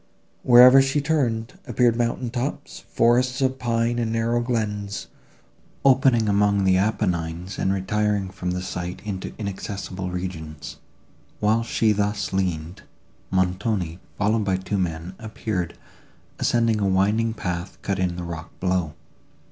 Wherever she turned, appeared mountain tops, forests of pine and narrow glens, opening among the Apennines and retiring from the sight into inaccessible regions. While she thus leaned, Montoni, followed by two men, appeared, ascending a winding path, cut in the rock below.